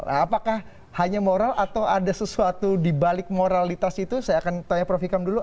apakah hanya moral atau ada sesuatu dibalik moralitas itu saya akan tanya prof ikam dulu